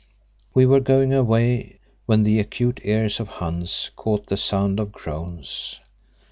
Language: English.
We were going away when the acute ears of Hans caught the sound of groans.